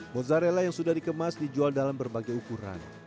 mozzarella yang sudah dikemas dijual dalam berbagai ukuran